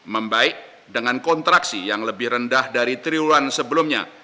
membaik dengan kontraksi yang lebih rendah dari triwulan sebelumnya